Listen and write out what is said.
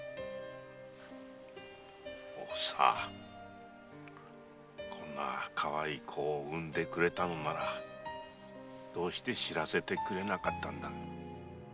おふさこんなかわいい子を産んでくれたのならどうして知らせてくれなかったんだ。